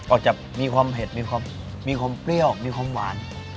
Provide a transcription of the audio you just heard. ออกจากมีความเผ็ดมีความมีความเปรี้ยวมีความหวาน